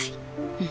うん。